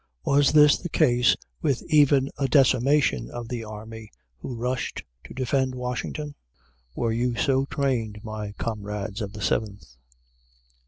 Was this the case with even a decimation of the army who rushed to defend Washington? Were you so trained, my comrades of the Seventh?